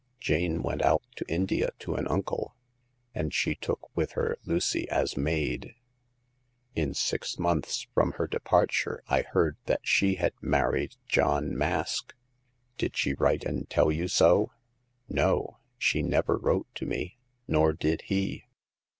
Jane went out to India to an uncle, and she took with her Lucy as maid. In six months from her departure I heard that she had married John Mask." " Did she write and tell you so ?"" No ; she never wrote to me, nor did he.